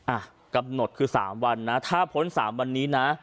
อ่ะกำหนดคือ๓วันนะถ้าพ้น๓วันนี้นะ